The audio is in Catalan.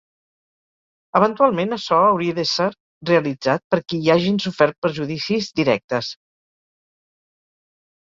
Eventualment açò hauria d'ésser realitzat per qui hi hagin sofert perjudicis directes.